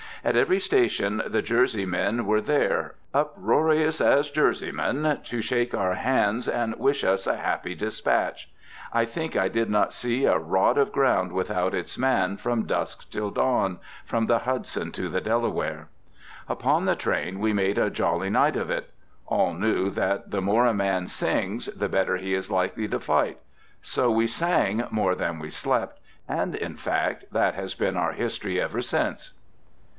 At every station the Jerseymen were there, uproarious as Jerseymen, to shake our hands and wish us a happy despatch. I think I did not see a rod of ground without its man, from dusk till dawn, from the Hudson to the Delaware. Upon the train we made a jolly night of it. All knew that the more a man sings, the better he is likely to fight. So we sang more than we slept, and, in fact, that has been our history ever since.